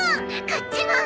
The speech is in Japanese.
こっちも！